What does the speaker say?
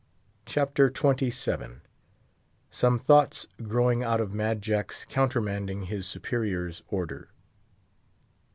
CHAPTER XXVII. SOME THOUGHTS GROWING OUT OF MAD JACK'S COUNTERMANDING HIS SUPERIOR'S ORDER.